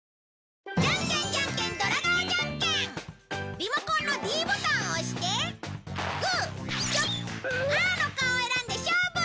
リモコンのｄボタンを押してグーチョキパーの顔を選んで勝負！